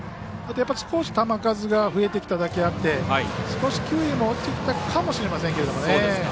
少し球数が増えてきただけあって少し球威も落ちてきたかもしれませんけどね。